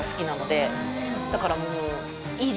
だからもう。